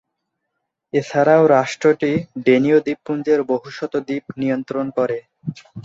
এছাড়াও রাষ্ট্রটি ডেনীয় দ্বীপপুঞ্জের বহু শত দ্বীপ নিয়ন্ত্রণ করে।